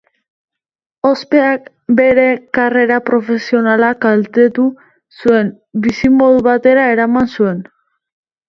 Ospeak, bere karrera profesionala kaltetu zuen bizimodu batera eraman zuen.